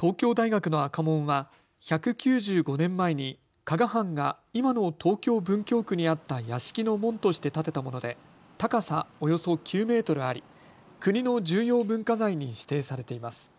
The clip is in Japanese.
東京大学の赤門は１９５年前に加賀藩が今の東京文京区にあった屋敷の門として建てたもので高さおよそ９メートルあり国の重要文化財に指定されています。